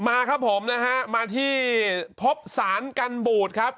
มาครับผมนะฮะมาที่พบสารกันบูดครับ